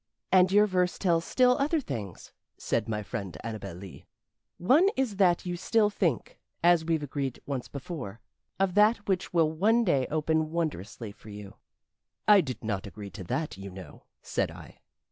"And your verse tells still other things," said my friend Annabel Lee. "One is that you still think, as we've agreed once before, of that which will one day open wondrously for you." "I did not agree to that, you know," said I.